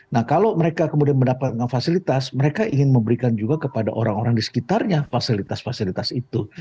nah kalau mereka kemudian mendapatkan fasilitas mereka ingin memberikan juga kepada orang orang di sekitarnya fasilitas fasilitas itu